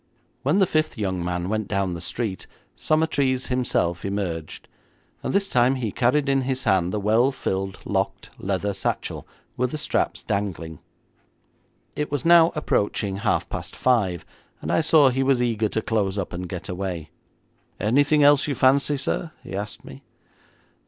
When the fifth young man went down the street Summertrees himself emerged, and this time he carried in his hand the well filled locked leather satchel, with the straps dangling. It was now approaching half past five, and I saw he was eager to close up and get away. 'Anything else you fancy, sir?' he asked me.